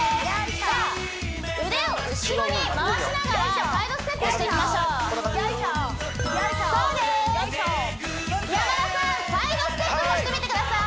じゃあ腕を後ろに回しながらサイドステップしていきましょうよいしょっよいしょっそうです山田さんサイドステップもしてみてください